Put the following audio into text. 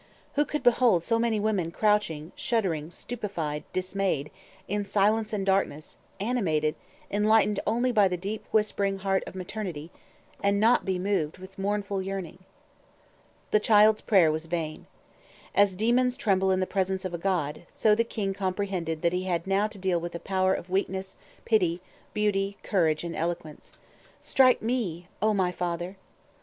Who could behold so many women crouching, shuddering, stupefied, dismayed, in silence and darkness, animated, enlightened only by the deep whispering heart of maternity, and not be moved with mournful yearning? The child's prayer was vain. As demons tremble in the presence of a god, so the king comprehended that he had now to deal with a power of weakness, pity, beauty, courage, and eloquence. "Strike me, O my father!"